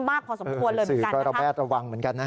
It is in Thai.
มากพอสมควรเลยเหมือนกันก็ระแวดระวังเหมือนกันนะฮะ